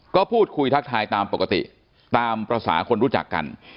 ก็พูดคุยทักทายตามปกติตามภาษาคนรู้จักกัน